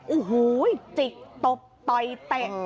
อู้หูยจิกตบต่อยเตะ